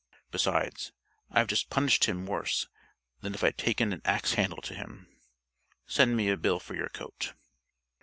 Besides, I've just punished him worse than if I'd taken an ax handle to him. Send me a bill for your coat."